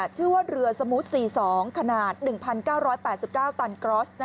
ชื่อว่าเรือสมูท๔๒ขนาด๑๙๘๙ตันกรอส